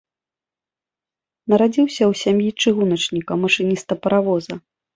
Нарадзіўся ў сям'і чыгуначніка, машыніста паравоза.